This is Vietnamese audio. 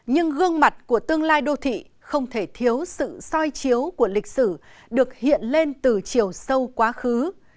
nhưng gương mặt của tương lai đô thị không thể thiếu sự soi chiếu của lịch sử được hiện lên từ chiều sâu quá khứ